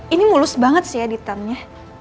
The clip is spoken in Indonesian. ini mulus banget sih editannya